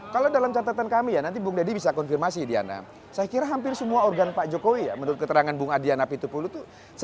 kalau dalam catatan kami ya nanti bung deddy bisa konfirmasi diana saya kira hampir semua organ pak jokowi ya menurut keterangan bung adian apitupulu itu